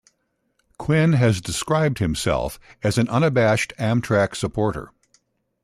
Quinn has described himself as an unabashed Amtrak supporter.